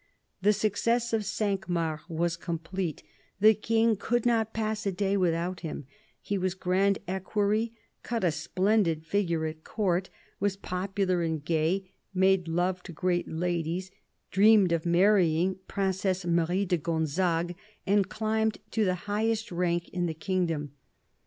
The success of Cinq Mars was complete : the King could not pass a day without him ; he was Grand Equerry, cut a splendid figure at Court, was popular and gay, made love to great ladies, dreamed of marrying Princess Marie de Gonzague and climbing to the highest rank in the kingdom.